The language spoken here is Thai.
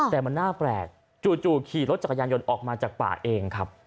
แต่มันน่าแปลกจู่ขี่รถจักรยานยนต์ออกมาจากป่าเองครับ